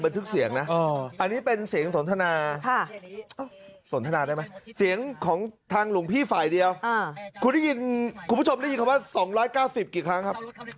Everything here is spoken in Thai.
คุณผู้ชมได้ยินคำว่า๒๙๐กี่ครั้งครับ